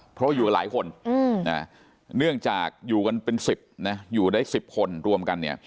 เพราะอยู่กันหลายคนเนื่องจากอยู่กันเป็น๑๐นะอยู่ได้๑๐คนรวมกันเนี่ย